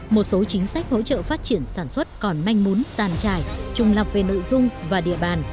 một số chính sách hỗ trợ phát triển sản xuất còn manh mún giàn trải trùng lập về nội dung và địa bàn